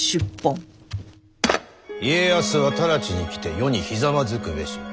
家康は直ちに来て余にひざまずくべし。